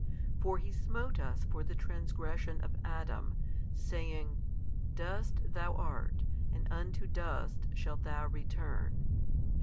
For He smote us for the transgression of Adam, saying, Dust thou art, and unto dust shalt thou return.